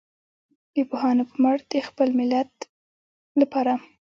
د پوهانو په مټ د خپل ملت لپاره.